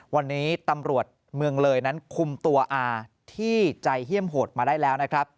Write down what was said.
วันนี้ตำรวจเมืองเลยนั้นคุมตัวอาที่ใจเฮี่ยมโหดมาได้แล้วนะครับ